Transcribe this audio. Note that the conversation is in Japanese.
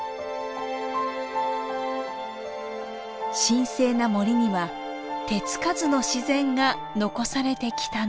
神聖な森には手付かずの自然が残されてきたのです。